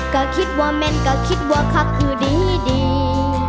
ก็คิดว่าแม่นก็คิดว่าคักคือดี